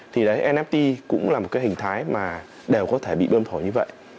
thì đấy nft cũng là một cái hình thái mà đều có thể bị bơm thổi như vậy